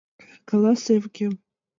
Каласе, Эвукем.